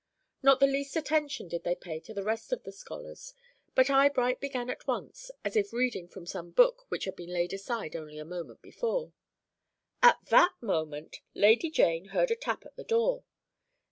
Not the least attention did they pay to the rest of the scholars, but Eyebright began at once, as if reading from some book which had been laid aside only a moment before: "At that moment Lady Jane heard a tap at the door.